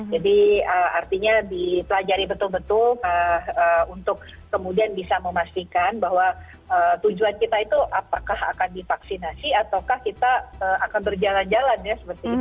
jadi artinya dipelajari betul betul untuk kemudian bisa memastikan bahwa tujuan kita itu apakah akan divaksinasi ataukah kita akan berjalan jalan ya seperti itu